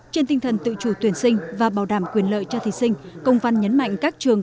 trên tinh thần tự chủ tuyển sinh và bảo đảm quyền lợi cho thí sinh công văn nhấn mạnh các trường